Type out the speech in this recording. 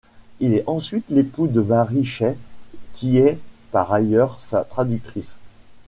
Il est ensuite l'époux de Marie Chaix, qui est par ailleurs sa traductrice.